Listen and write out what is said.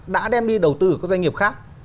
đã đem đi đầu tư ở các doanh nghiệp khác